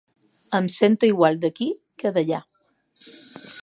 Em sento igual d’aquí que d’allà.